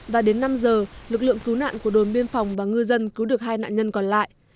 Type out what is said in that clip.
và đến năm giờ lực lượng cứu nạn của đồn biên phòng và ngư dân cứu được hai nạn nhân còn lại